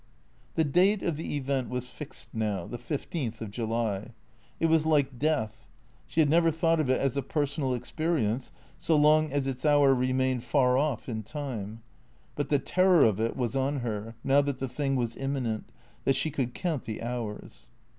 The date of the Event was fixed now, the fifteenth of July. It M^as like death. She had never thought of it as a personal experience so long as its hour remained far off in time. But the terror of it was on her, now that the thing was imminent, that she could count the hours.